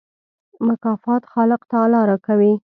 مکافات خالق تعالی راکوي.